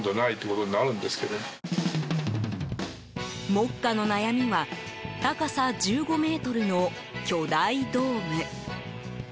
目下の悩みは高さ１５ｍの巨大ドーム。